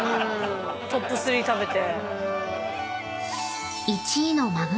トップ３食べて。